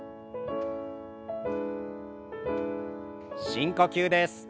深呼吸です。